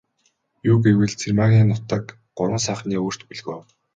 Юу гэвэл, Цэрмаагийн нутаг Гурван сайхны өвөрт бөлгөө.